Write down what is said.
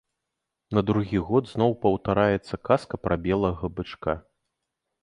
На другі год зноў паўтараецца казка пра белага бычка.